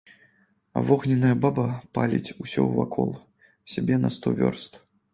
А вогненная баба паліць ўсё вакол сябе на сто вёрст.